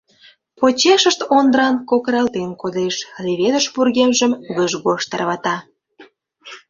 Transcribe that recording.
Почешышт Ондран кокыралтен кодеш, леведыш вургемжым гыж-гож тарвата.